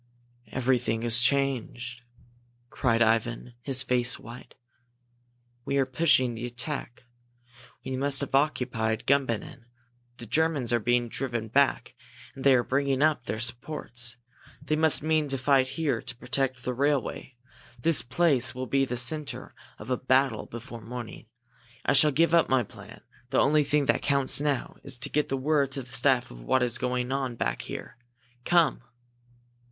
"Everything has changed!" cried Ivan, his face white. "We are pushing the attack we must have occupied Gumbinnen! The Germans are being driven back and they are bringing up their supports! They must mean to fight here to protect the railway! This place will be the centre of a battle before morning! I shall give up my plan. The only thing that counts now is to get word to the staff of what is going on back here! Come!"